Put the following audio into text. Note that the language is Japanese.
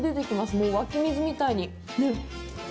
もう湧き水みたいに！